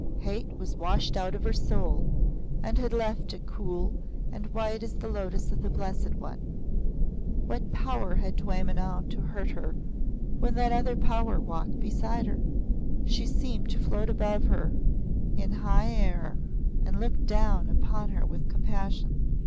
Hate was washed out of her soul and had left it cool and white as the Lotus of the Blessed One. What power had Dwaymenau to hurt her when that other Power walked beside her? She seemed to float above her in high air and look down upon her with compassion.